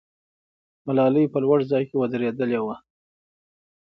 ملالۍ په لوړ ځای کې ودرېدلې وه.